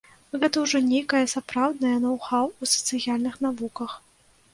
Гэта ўжо нейкае сапраўднае ноў-хаў у сацыяльных навуках.